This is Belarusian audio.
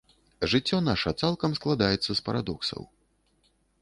Жыццё наша цалкам складаецца з парадоксаў.